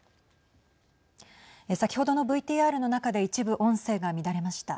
先ほどのＶＴＲの中で一部音声が乱れました。